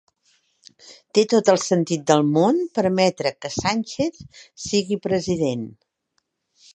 Té tot el sentit del món permetre que Sánchez sigui president